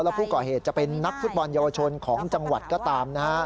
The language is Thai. แล้วผู้ก่อเหตุจะเป็นนักฟุตบอลเยาวชนของจังหวัดก็ตามนะฮะ